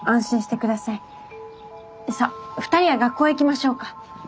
さあ２人は学校へ行きましょうか。